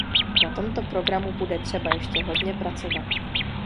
Na tomto programu bude třeba ještě hodně pracovat.